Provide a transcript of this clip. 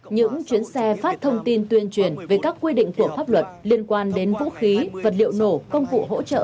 những chuyến xe phát thông tin tuyên truyền về các quy định của pháp luật liên quan đến vũ khí vật liệu nổ công cụ hỗ trợ